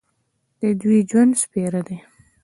د دوی ژوند سپېره دی.